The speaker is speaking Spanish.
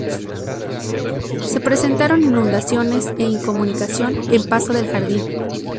Se presentaron inundaciones e incomunicación en Paso del Jardín.